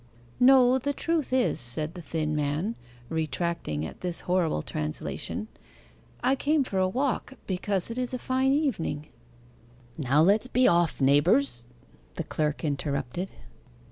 'No, the truth is,' said the thin man, retracting at this horrible translation, 'I came for a walk because it is a fine evening.' 'Now let's be off, neighbours,' the clerk interrupted.